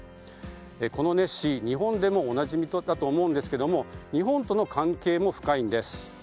このネッシー、日本でもおなじみだと思うんですが日本との関係も深いんです。